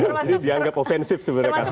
yang dianggap ofensif sebenarnya kata kata itu